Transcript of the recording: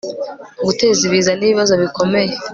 guteza ibiza nibibazo bikomeye